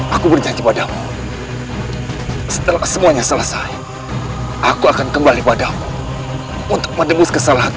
aku berjanji padamu setelah semuanya selesai aku akan kembali padamu untuk menebus kesalahan